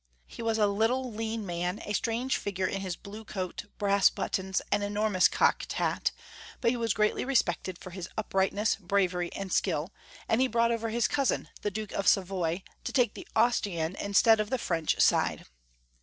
He was a little lean man — a strange figure in his blue coat, brass buttons, and enormous cocked hat, but he was greatly respected for his uprightness, bravery, and skill, and he brought over his cousin, the Duke of Savoy, to take the Austrian instead of the French side.